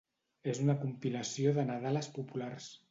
És una compilació de nadales populars.